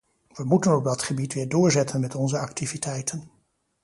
Wij moeten op dat gebied weer doorzetten met onze activiteiten.